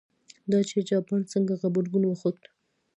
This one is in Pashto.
دا چې جاپان څنګه غبرګون وښود.